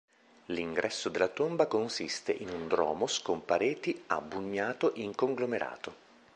L'ingresso della tomba consiste in un dromos con pareti a bugnato in conglomerato.